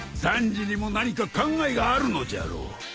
サンジにも何か考えがあるのじゃろう。